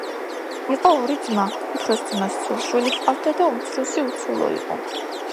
იყო ორი ძმა უფროს ძმას ცოლ-შვილი ჰყავდა და უმცროსი უცოლო იყო.